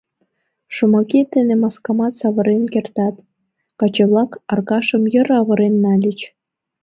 — Шомакет дене маскамат савырен кертат, — каче-влак Аркашым йыр авырен нальыч.